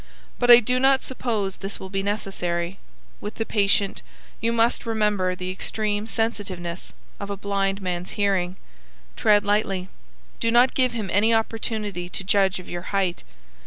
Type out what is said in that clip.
But I do not suppose this will be necessary. With the patient, you must remember the extreme sensitiveness of a blind man's hearing. Tread lightly. Do not give him any opportunity to judge of your height.